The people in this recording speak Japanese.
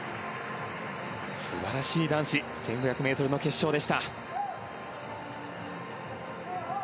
素晴らしい男子１５００ｍ決勝でした。